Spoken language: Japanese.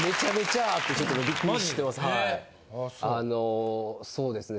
あのそうですね。